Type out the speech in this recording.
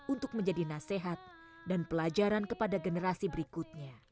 untuk menjadi nasihat dan pelajaran kepada generasi berikutnya